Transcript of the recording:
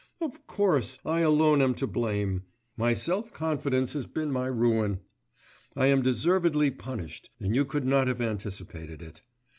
Of course, I alone am to blame, my self confidence has been my ruin; I am deservedly punished, and you could not have anticipated it.